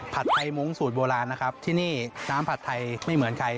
ไทยมุ้งสูตรโบราณนะครับที่นี่น้ำผัดไทยไม่เหมือนใคร